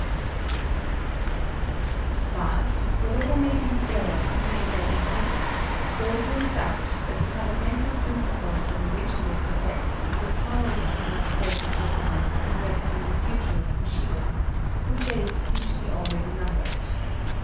] But, whatever may be the error committed by individuals, there is little doubt that the fundamental principle of the religion they profess is a power which we must take into account in reckoning THE FUTURE OF BUSHIDO, whose days seem to be already numbered.